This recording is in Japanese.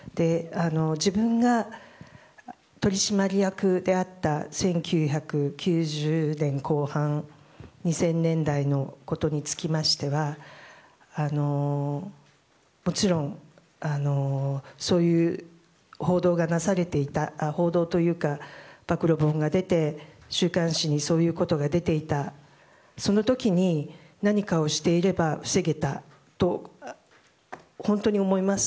自分が取締役であった１９９０年後半また２０００年代のことにつきましてはもちろん、そういう報道というか暴露本が出て週刊誌にそういうことが出ていたその時に何かをしていれば防げたと本当に思います。